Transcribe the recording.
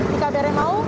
jika beri mau